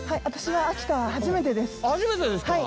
私は秋田初めてです。